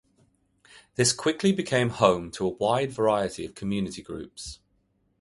This quickly became a home to a wide variety of community groups.